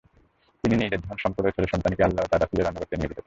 তিনি নিজের ধনসম্পদ ও ছেলেসন্তানকে আল্লাহ ও তাঁর রাসূলের আনুগত্যে নিয়োজিত করলেন।